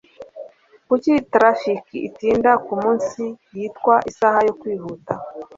Kuki traffic itinda kumunsi yitwa 'isaha yo kwihuta